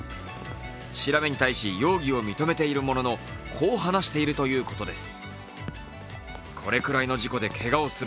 調べに対し容疑を認めているもののこう話しているということです。